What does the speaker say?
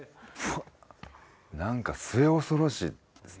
なんか末恐ろしいですね